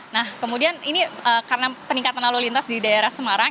nah kemudian ini karena peningkatan lalu lintas di daerah semarang